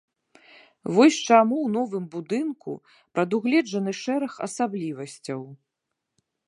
Вось чаму ў новым будынку прадугледжаны шэраг асаблівасцяў.